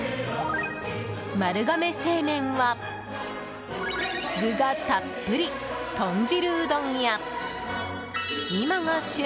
丸亀製麺は具がたっぷり、豚汁うどんや今が旬！